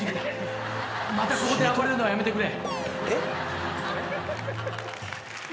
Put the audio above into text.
またここで暴れるのはやめてくれ！